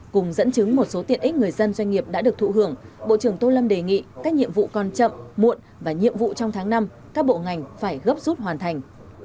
cùng dẫn chứng một số tiện ích người dân doanh nghiệp đã được thụ hưởng bộ trưởng tô lâm đề nghị các nhiệm vụ còn chậm muộn và nhiệm vụ trong tháng năm các bộ ngành phải gấp rút hoàn thành